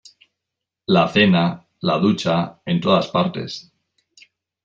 la cena, la ducha , en todas partes.